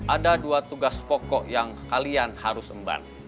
ada dua tugas pokok yang kalian harus emban